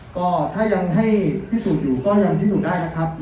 ก็ถ้ายังให้พิสูจน์อยู่ก็ยังพิสูจน์ได้นะครับ